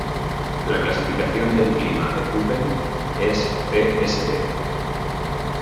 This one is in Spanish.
La clasificación del clima de Köppen es "Csb".